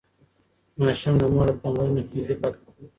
ماشوم د مور له پاملرنې خوندي پاتې کېږي.